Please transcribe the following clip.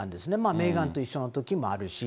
メーガンと一緒のときもあるし。